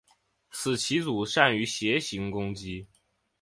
此棋组善于斜行攻击。